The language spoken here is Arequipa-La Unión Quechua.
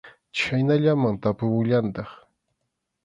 Chhaynallaman tapumullantaq.